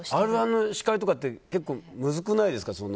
「Ｒ‐１」の司会とかってむずくないですか？